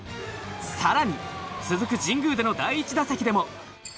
更に続く神宮での第１打席でも。